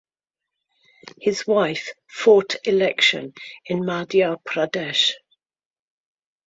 His wife fought Election in Madhya Pradesh.